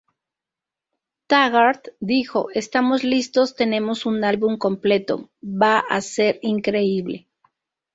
Taggart dijo: "Estamos listos, tenemos un álbum completo, va a ser increíble.